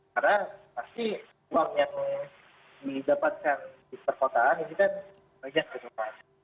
karena pasti uang yang didapatkan di perkotaan ini kan banyak ke depan